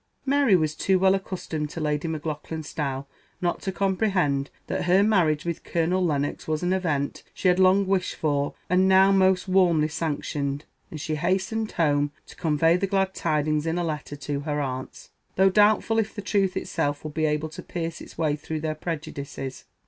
Mary was too well accustomed to Lady Maclaughlan's style not to comprehend that her marriage with Colonel Lennox was an event she had long wished for and now most warmly sanctioned; and she hastened home to convey the glad tidings in a letter to her aunts, though doubtful if the truth itself would be able to pierce its way through their prejudices.